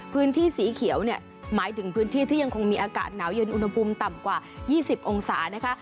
พื้นที่สีเขียวเนี่ยหมายถึงพื้นที่ที่ยังคงมีอากาศหนาวเย็นอุณหภูมิต่ำกว่า๒๐องศานะคะ